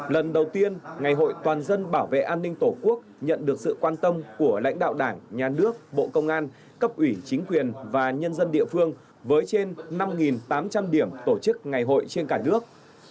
lần đầu tiên ngày hội toàn dân bảo vệ an ninh tổ quốc nhận được sự quan tâm của lãnh đạo đảng nhà nước bộ công an cấp ủy chính quyền và nhân dân địa phương với trên năm tám trăm linh điểm tổ chức ngày hội trên cả nước